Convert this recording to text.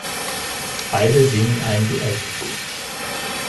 Beide singen ein Duett.